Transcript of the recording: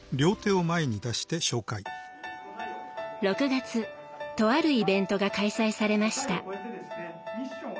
６月とあるイベントが開催されました。